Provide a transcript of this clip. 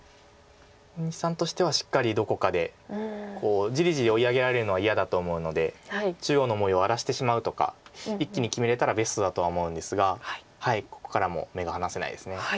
大西さんとしてはしっかりどこかでじりじり追い上げられるのは嫌だと思うので中央の模様を荒らしてしまうとか一気に決めれたらベストだとは思うんですがここからも目が離せないです。